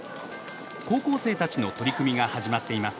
高校生たちの取り組みが始まっています。